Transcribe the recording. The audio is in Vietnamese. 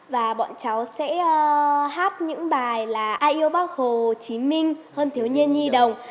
và bọn cháu sẽ hát những bài là ai yêu bác hồ chí minh hơn thiếu nhi nhi đồng